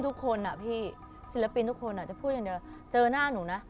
ทุกคนอ่ะพี่ศิลปินทุกคนจะพูดอย่างเดียวเจอหน้าหนูนะ